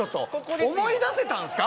思い出せたんすか？